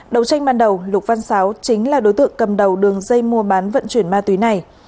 đầu tranh ban đầu lục văn sáu chính là đối tượng cầm đầu đường dây mua bán vận chuyển ma túy này